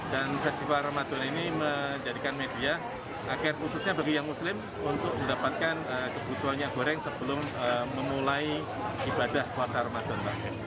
dan festival ramadan ini menjadikan media agar khususnya bagi yang muslim untuk mendapatkan kebutuhannya goreng sebelum memulai ibadah puasa ramadan